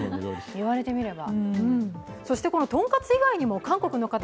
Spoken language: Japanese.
言われてみれば。